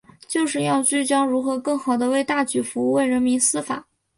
就是要聚焦如何更好地为大局服务、为人民司法